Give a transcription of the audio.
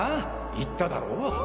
言っただろ？